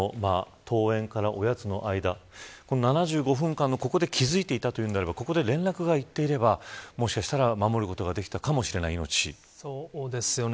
登園からおやつの間の７５分間で気付いていたというのであればここで連絡がいっていればもしかしたら守ることがそうですよね。